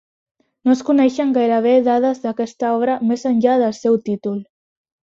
No es coneixen gairebé dades d'aquesta obra més enllà del seu títol.